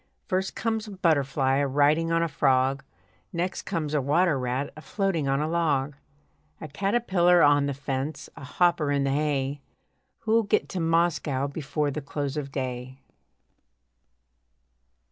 First comes a butterfly a riding on a frog, Next comes a water rat a floating on a log; A caterpillar on the fence, a hopper in the hay Who'll get to Moscow before the close of day?